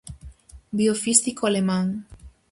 Biofísico alemán.